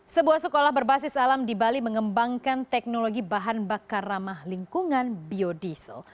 sebuah sekolah berbasis alam di bali mengembangkan teknologi bahan bakar ramah lingkungan biodiesel